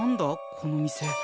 この店。